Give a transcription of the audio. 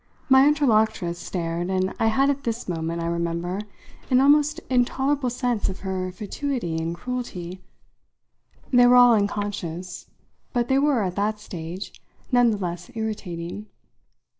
My interlocutress stared, and I had at this moment, I remember, an almost intolerable sense of her fatuity and cruelty. They were all unconscious, but they were, at that stage, none the less irritating.